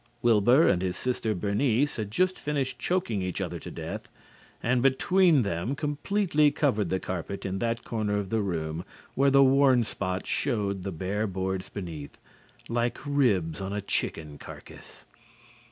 Wilbur and his sister Bernice had just finished choking each other to death and between them completely covered the carpet in that corner of the room where the worn spot showed the bare boards beneath, like ribs on a chicken carcass.